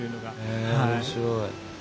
へえ面白い。